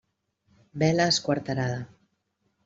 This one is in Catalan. Vela esquarterada: